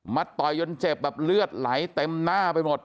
ต่อยจนเจ็บแบบเลือดไหลเต็มหน้าไปหมด